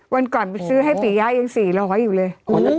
วันก่อนไปซื้อให้ปียะยัง๔๐๐อยู่เลย